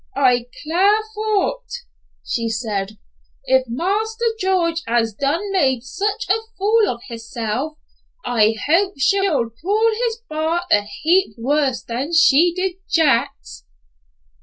"I 'clar for't," said she, "if Marster George has done made such a fool of hisself, I hope she'll pull his bar a heap worse than she did Jack's."